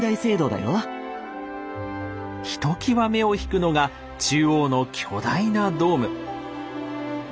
ひときわ目を引くのが中央の巨大なドーム。